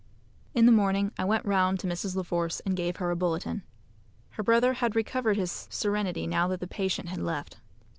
In the morning I went round to Mrs. La Force and gave her a bulletin. Her brother had recovered his serenity now that the patient had left.